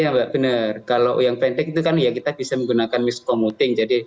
ya mbak benar kalau yang pendek itu kan ya kita bisa menggunakan miskomuting